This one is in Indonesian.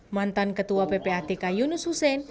mantan ketua ppatk yunus hussein